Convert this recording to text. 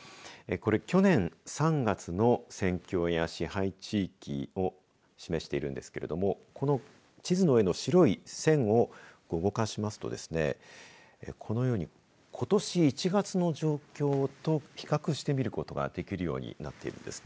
これ去年３月の戦況や支配地域を示しているんですけれどもこの地図の上の白い線を動かしますとこのように、ことし１月の状況と比較して見ることができるようになっているんですね。